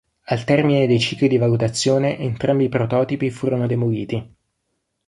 Al termine dei cicli di valutazione entrambi i prototipi furono demoliti.